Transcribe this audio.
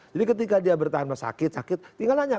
jadi ketika dia bertahan dari sakit sakit tinggal tanya